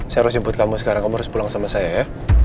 saya harus jemput kamu sekarang kamu harus pulang sama saya ya